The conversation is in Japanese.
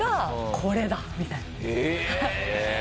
これだ！みたいな。